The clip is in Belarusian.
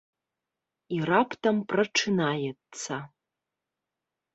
I раптам прачынаецца...